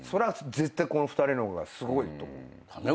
絶対この２人の方がすごいと思う。